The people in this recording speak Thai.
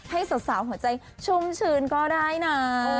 ให้สาวหัวใจชุ่มชื้นก็ได้นะ